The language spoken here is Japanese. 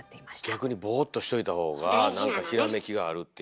逆にボーっとしといた方が何かひらめきがあるっていう。